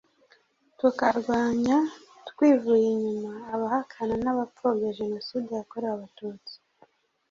tukarwanya twivuye inyuma abahakana n’abapfobya jenoside yakorewe Abatutsi